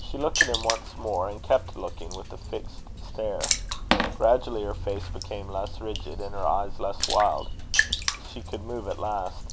She looked at him once more, and kept looking with a fixed stare. Gradually her face became less rigid, and her eyes less wild. She could move at last.